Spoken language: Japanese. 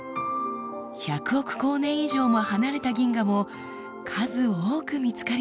１００億光年以上も離れた銀河も数多く見つかりました。